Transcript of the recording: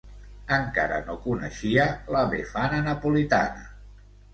Encara no coneixia la Befana napolitana.